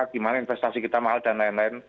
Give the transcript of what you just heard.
gimana investasi kita mahal dll